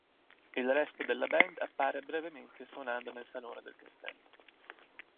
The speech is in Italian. Il resto della band appare brevemente suonando nel salone del castello.